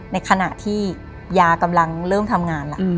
ในขณะที่ยากำลังเริ่มทำงานล่ะ